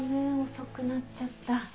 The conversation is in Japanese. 遅くなっちゃった。